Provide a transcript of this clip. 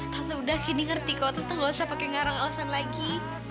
tante udah kini ngerti kalau tante gak usah pakai ngarang alasan lagi